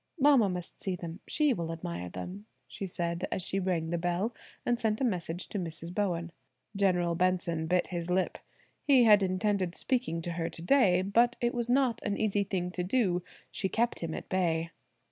"Mama must see them. She will admire them," she said as she rang the bell, and sent a message to Mrs. Bowen. General Benson bit his lip. He had intended speaking to her today, but it was not an easy thing to do. She kept him at bay.